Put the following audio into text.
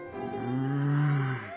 うん。